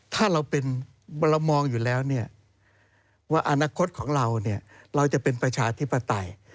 ถ้าเรามองอยู่แล้วว่าอนาคตของเราเราจะเป็นประชาธิปไตย